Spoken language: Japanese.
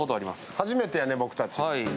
初めてやね、僕たち。